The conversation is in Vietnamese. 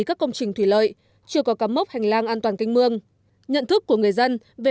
các công trình thủy lợi chưa có cắm mốc hành lang an toàn canh mương nhận thức của người dân về